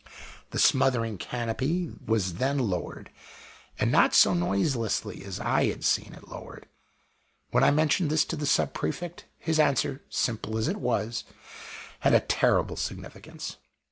The smothering canopy was then lowered, but not so noiselessly as I had seen it lowered. When I mentioned this to the Sub prefect, his answer, simple as it was, had a terrible significance.